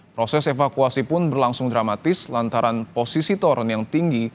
proses evakuasi pun berlangsung dramatis lantaran posisi toron yang tinggi